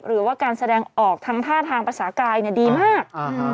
หรือว่าการแสดงออกทางท่าทางภาษากายดีมาก